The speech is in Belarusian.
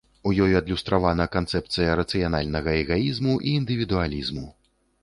У ёй адлюстравана канцэпцыя рацыянальнага эгаізму і індывідуалізму.